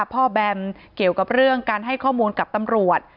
แบมเกี่ยวกับเรื่องการให้ข้อมูลกับตำรวจ